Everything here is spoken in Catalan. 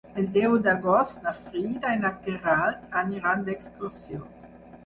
El deu d'agost na Frida i na Queralt aniran d'excursió.